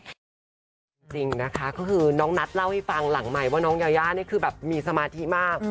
จริงนะคะก็คือน้องนัทเล่าให้ฟังหลังใหม่ว่าน้องยายานี่คือแบบมีสมาธิมาก